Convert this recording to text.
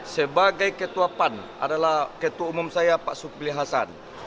sebagai ketua pan adalah ketua umum saya pak suppli hasan